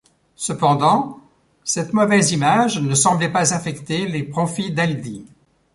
Cependant, cette mauvaise image ne semblait pas affecter les profits d'Aldi.